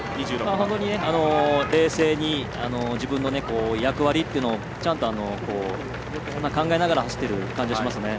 本当に冷静に自分の役割っていうのをちゃんと、考えながら走っている感じがします。